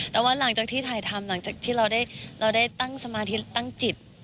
แต่ว่าหลังจากที่ถ่ายทำหลังจากที่เราได้ตั้งสมาธิตั้งจิต